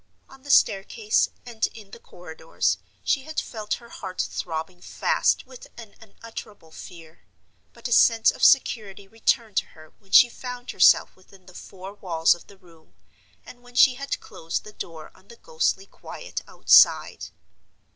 On the staircase and in the corridors she had felt her heart throbbing fast with an unutterable fear; but a sense of security returned to her when she found herself within the four walls of the room, and when she had closed the door on the ghostly quiet outside.